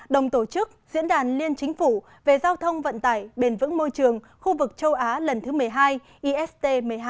đồng tổ chức diễn đàn liên chính phủ về giao thông vận tải bền vững môi trường khu vực châu á lần thứ một mươi hai ist một mươi hai